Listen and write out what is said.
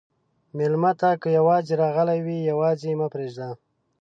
مېلمه ته که یواځې راغلی وي، یواځې مه پرېږده.